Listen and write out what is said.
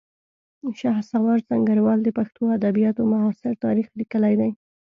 شهسوار سنګروال د پښتو ادبیاتو معاصر تاریخ لیکلی دی